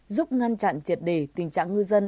giúp ngăn chặn triệt đề tình trạng ngư dân